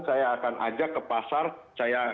saya akan ajak ke pasar saya